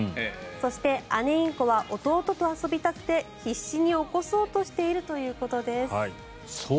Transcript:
そして、姉インコは弟と遊びたくて必死に起こそうとしているということです。